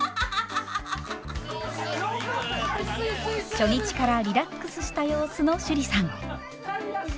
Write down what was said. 初日からリラックスした様子の趣里さん。